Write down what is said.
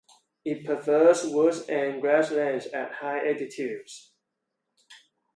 It prefers woods and grasslands at high altitudes.